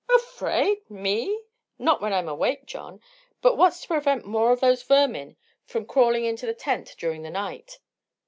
"Afraid! Me? Not when I'm awake, John. But what's to prevent more of those vermin from crawling into the tent during the night?"